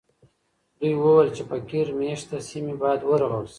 دوی وویل چې فقیر مېشته سیمې باید ورغول سي.